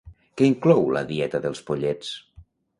Què inclou la dieta dels pollets?